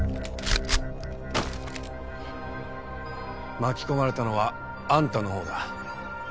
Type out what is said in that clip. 巻き込まれたのはあんたのほうだ。